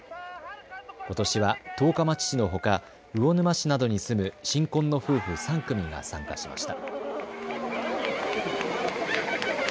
ことしは十日町市のほか魚沼市などに住む新婚の夫婦３組が参加しました。